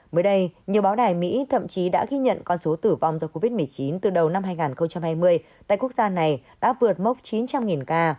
mới đây nhiều báo đài mỹ thậm chí đã ghi nhận con số tử vong do covid một mươi chín từ đầu năm hai nghìn hai mươi tại quốc gia này đã vượt mốc chín trăm linh ca